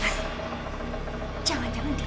mereka akan mengambil diri